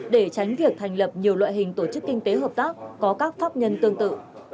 để tránh việc thành lập nhiều loại hình tổ chức kinh tế hợp tác có các pháp nhân tương tự